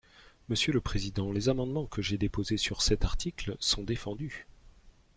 Monsieur le président, les amendements que j’ai déposés sur cet article sont défendus.